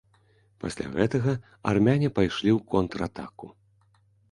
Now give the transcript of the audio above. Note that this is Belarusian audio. Пасля гэтага армяне пайшлі ў контратаку.